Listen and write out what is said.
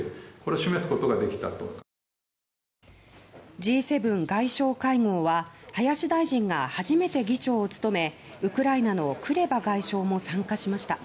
Ｇ７外相会合は林大臣が初めて議長を務めウクライナのクレバ外相も参加しました。